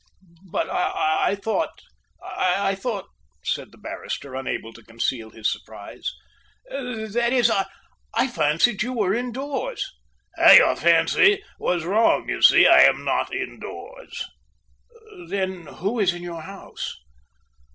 "But I thought I thought," said the barrister, unable to conceal his surprise, "that is, I fancied you were indoors." "Your fancy was wrong, you see. I am not indoors." "Then who is in your house?"